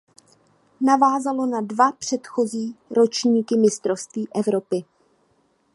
Navázalo na dva předchozí ročníky mistrovství Evropy.